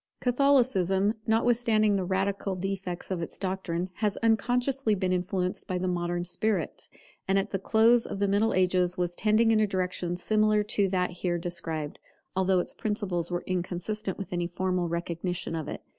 Catholicism, notwithstanding the radical defects of its doctrine, has unconsciously been influenced by the modern spirit; and at the close of the Middle Ages was tending in a direction similar to that here described, although its principles were inconsistent with any formal recognition of it.